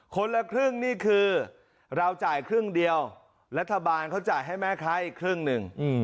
คนละครึ่งนี่คือเราจ่ายครึ่งเดียวรัฐบาลเขาจ่ายให้แม่ค้าอีกครึ่งหนึ่ง